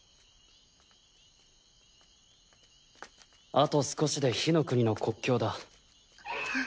あと少しで火の国の国境だ。